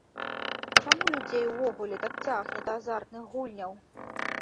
Чаму людзей увогуле так цягне да азартных гульняў?